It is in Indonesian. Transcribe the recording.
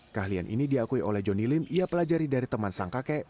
keahlian ini diakui oleh johnny lim ia pelajari dari teman sang kakek